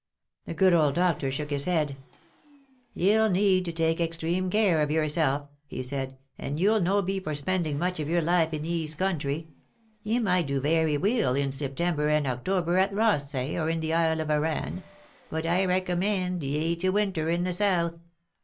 '' The good old doctor shook his head. " Ye'll need to take extreme care of yourself," he said :" and ye'll no be for spending much of your life in thees country. Ye might do vairy weel in September and October at Rothsay or in the Isle of Arran, but I'd recommaind ye to winter in the South."